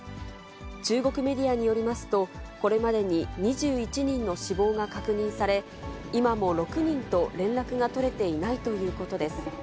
中国メディアによりますと、これまでに２１人の死亡が確認され、今も６人と連絡が取れていないということです。